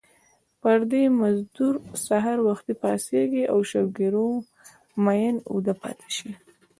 پردی مزدور سحر وختي پاڅېږي د شوګیرو مین اوده پاتې شي